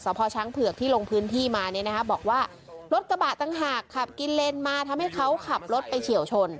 พอช้างเผือกที่ลงพื้นที่มาเนี่ยนะคะบอกว่ารถกระบะต่างหากขับกินเลนมาทำให้เขาขับรถไปเฉียวชน